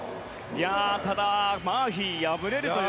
ただ、マーフィーが敗れるという。